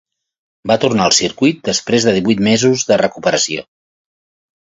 Va tornar al circuit després de divuit mesos de recuperació.